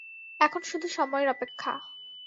এখন শুধু সময়ের অপেক্ষা।